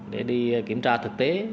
để đi kiểm tra thực tế